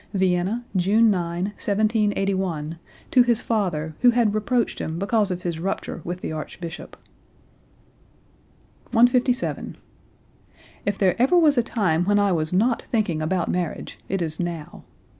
(Vienna, June 9, 1781, to his father, who had reproached him because of his rupture with the Archbishop.) 157. "If there ever was a time when I was not thinking about marriage it is now.